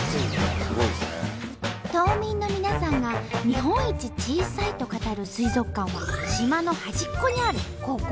島民の皆さんが日本一小さいと語る水族館は島の端っこにあるここ。